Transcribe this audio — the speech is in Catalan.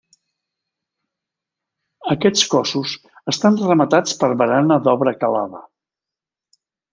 Aquests cossos estan rematats per barana d'obra calada.